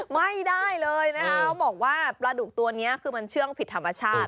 ไม่ได้เลยนะคะเขาบอกว่าปลาดุกตัวนี้คือมันเชื่องผิดธรรมชาติ